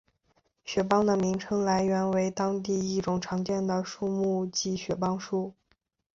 雪邦的名称来源为当地一种常见的树木即雪邦树。